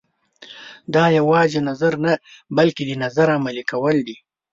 دا یوازې نظر نه بلکې د نظر عملي کول دي.